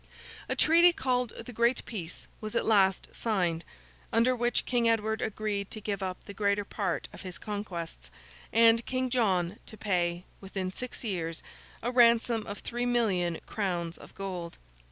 A treaty called the Great Peace, was at last signed, under which King Edward agreed to give up the greater part of his conquests, and King John to pay, within six years, a ransom of three million crowns of gold.